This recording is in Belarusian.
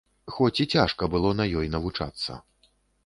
Хоць і цяжка было на ёй навучацца.